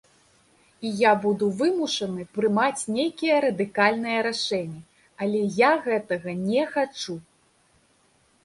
І я буду вымушаны прымаць нейкія радыкальныя рашэнні, але я гэтага не хачу.